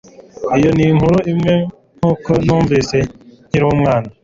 Iyo ni inkuru imwe nkuko numvise nkiri umwana